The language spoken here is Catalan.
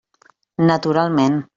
Naturalment!